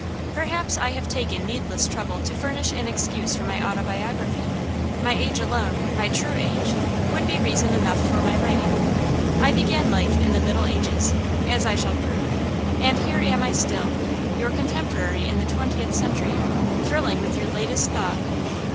Perhaps I have taken needless trouble to furnish an excuse for my autobiography. My age alone, my true age, would be reason enough for my writing. I began life in the Middle Ages, as I shall prove, and here am I still, your contemporary in the twentieth century, thrilling with your latest thought.